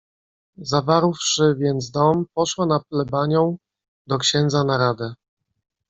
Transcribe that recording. "Zawarłszy więc dom, poszła na plebanią, do księdza, na radę."